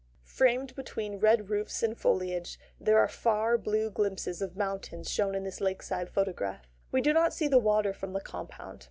Framed between red roofs and foliage, there are far blue glimpses of mountains shown in this lakeside photograph. We do not see the water from the compound.